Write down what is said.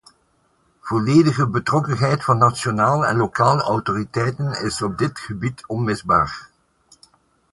Volledige betrokkenheid van nationale en lokale autoriteiten is op dit gebied onmisbaar.